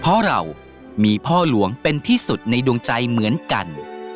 เพราะเรามีพ่อหลวงเป็นที่สุดในดวงใจเหมือนกัน